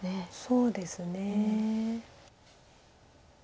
そうですね。